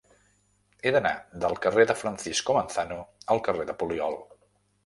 He d'anar del carrer de Francisco Manzano al carrer del Poliol.